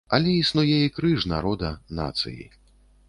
Але існуе і крыж народа, нацыі.